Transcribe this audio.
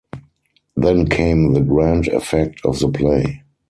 Then came the grand effect of the play.